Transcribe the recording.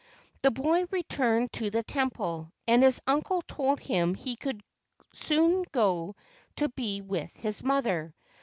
The boy returned to the temple, and his uncle told him he could soon go to be with his mother.